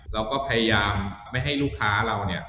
เราก็พยายามไม่ให้ลูกค้าเราเนี่ย